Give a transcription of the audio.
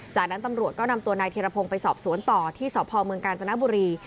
จากนั้นตำรวจก็นำตัวนายธิรพงศ์ไปสอบสวนต่อที่สพเมืองกาญจนบุรี